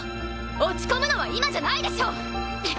落ち込むのは今じゃないでしょ！